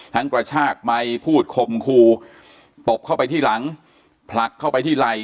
กระชากไมค์พูดคมคู่ตบเข้าไปที่หลังผลักเข้าไปที่ไหล่